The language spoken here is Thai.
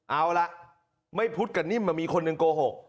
เอาล่ะไม่พุทธกับนิ่มมีคนหนึ่งโกหก